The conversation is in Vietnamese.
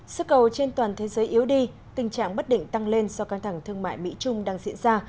sức cầu trên toàn thế giới yếu đi tình trạng bất định tăng lên do căng thẳng thương mại mỹ trung đang diễn ra